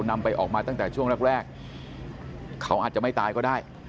นำไปออกมาตั้งแต่ช่วงแรกเขาอาจจะไม่ตายก็ได้